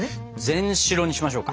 全白にしましょうか。